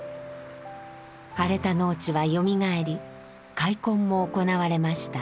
荒れた農地はよみがえり開墾も行われました。